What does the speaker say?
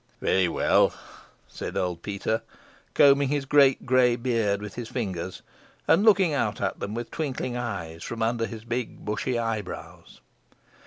"Well, well," said old Peter, combing his great gray beard with his fingers, and looking out at them with twinkling eyes from under his big bushy eyebrows.